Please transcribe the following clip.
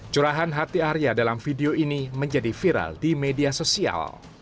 curahan hati arya dalam video ini menjadi viral di media sosial